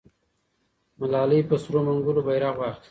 ملالۍ په سرو منګولو بیرغ واخیست.